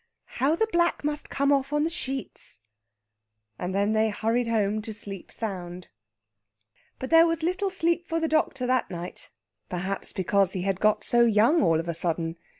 "How the black must come off on the sheets!" And then they hurried home to sleep sound. But there was little sleep for the doctor that night, perhaps because he had got so young all of a sudden.